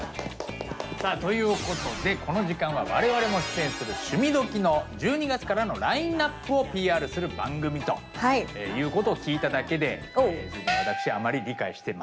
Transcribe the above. さあということでこの時間は我々も出演する「趣味どきっ！」の１２月からのラインナップをＰＲする番組ということを聞いただけであら！